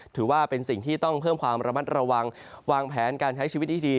ถือว่าเป็นสิ่งที่ต้องเพิ่มความระมัดระวังวางแผนการใช้ชีวิตให้ดี